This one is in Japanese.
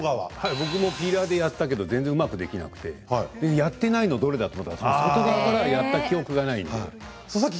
僕もピーラーでやったけれども、全然うまくできなくてやっていないのどれかと思ったら外側はやっていないなと。